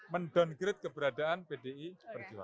men downgrade keberadaan pdi seperti itu